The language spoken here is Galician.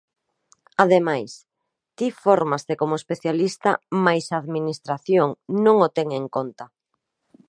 Ademais, ti fórmaste como especialista mais a administración non o ten en conta.